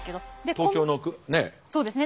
東京のね。